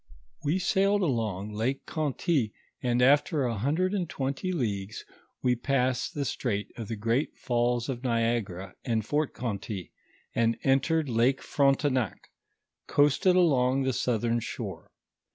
We sailed along Lake Conty, and after a hundred and twenty leagues wo passed tho strait of tho great falls of Niag ara and Fort Conty, and entering Lake Frontcnac, coasted along the southern shore.